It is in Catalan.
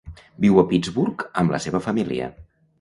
Viu a Pittsburgh amb la seva família.